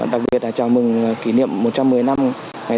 đặc biệt là chào mừng kỷ niệm một trăm một mươi năm ngày sinh đồng chí